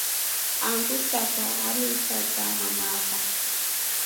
Angu tata alimsatia mma akwa.